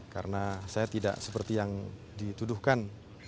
karena saya tidak seperti yang dituduhkan